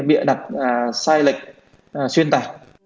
bị đặt sai lệch xuyên tả